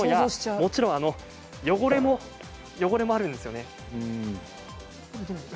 もちろん汚れもあるんですよね。